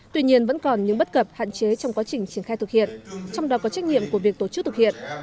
tuy nhiên vẫn còn những bất cập hạn chế trong quá trình triển khai thực hiện trong đó có trách nhiệm của việc tổ chức thực hiện